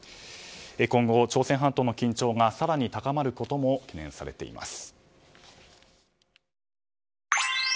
今後、朝鮮半島の緊張が更に高まることも懸念されています。